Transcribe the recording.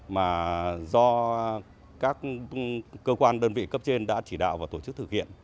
mà do các cơ quan đơn vị cấp trên đã chỉ đạo và tổ chức thực hiện